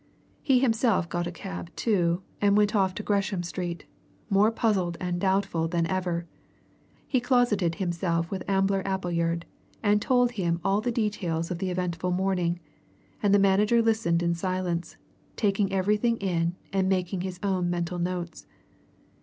He himself got a cab, too, and went off to Gresham Street, more puzzled and doubtful than ever. He closeted himself with Ambler Appleyard and told him all the details of the eventful morning, and the manager listened in silence, taking everything in and making his own mental notes.